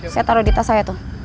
saya taruh di tas saya tuh